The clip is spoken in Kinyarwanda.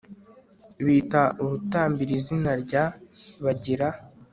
bita urutambiro izina rya ..., bagira